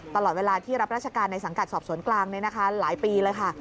ตลอดเวลาที่รับราชการในสังกัดสอบสวนกลางหลายปีเลยค่ะ